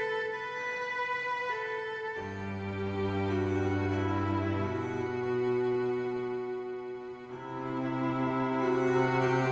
ya sudah pak